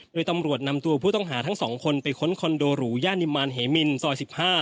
โดยตำรวจนำตัวผู้ต้องหาทั้ง๒คนไปค้นคอนโดหรูย่านนิมานเหมินซอย๑๕